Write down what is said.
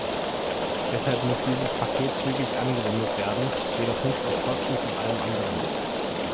Deshalb muss dieses Paket zügig angewendet werden, jedoch nicht auf Kosten von allem anderen.